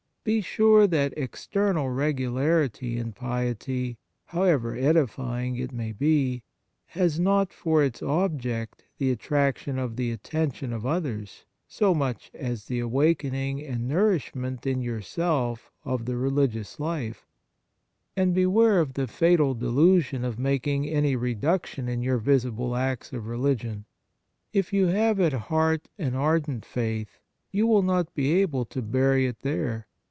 Be sure that external regularity in piety, however edifying it may be, has not for its object the attraction of the attention of others so much as the awakening and nourishment in yourself of the religious life, and beware of the fatal delusion of making any reduction in your visible acts of religion. If you have at heart an ardent faith, you will not be able to bury it there.